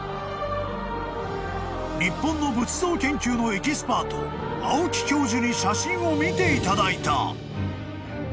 ［日本の仏像研究のエキスパート青木教授に写真を見ていただいた］